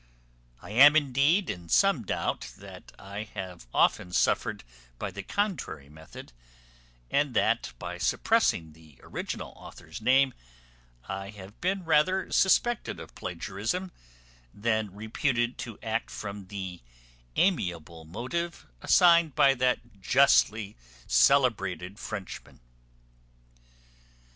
I am, indeed, in some doubt that I have often suffered by the contrary method; and that, by suppressing the original author's name, I have been rather suspected of plagiarism than reputed to act from the amiable motive assigned by that justly celebrated Frenchman.